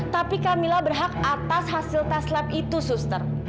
tapi camillah berhak atas hasil tes lab itu suster